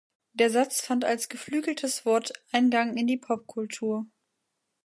Der Satz fand als geflügeltes Wort Eingang in die Popkultur.